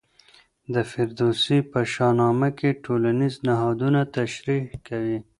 د فردوسي په شاه نامه کې ټولنیز نهادونه تشریح کوي.